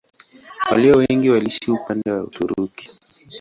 Walio wengi waliishi upande wa Uturuki.